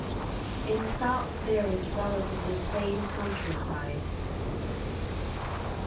In the south there is relatively plain countryside.